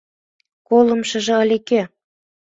«Колымшыжо ыле кӧ?